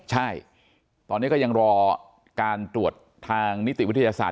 ใช่ตอนนี้ก็ยังรอการตรวจทางนิติวิทยาศาสต